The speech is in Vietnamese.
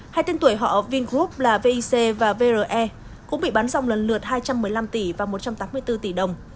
hai tên tuổi họ vingroup là vic và vre cũng bị bắn dòng lần lượt hai trăm một mươi năm tỷ và một trăm tám mươi bốn tỷ đồng